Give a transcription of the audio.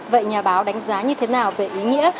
vậy nhà báo đánh giá như thế nào về ý nghĩa